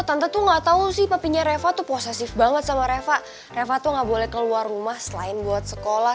tante tuh gak tau sih papanya reva tuh posesif banget sama reva reva tuh nggak boleh keluar rumah selain buat sekolah